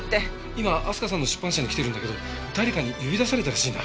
今明日香さんの出版社に来てるんだけど誰かに呼び出されたらしいんだ。